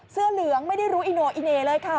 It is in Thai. เสื้อเหลืองไม่ได้รู้อิโนอิเน่เลยค่ะ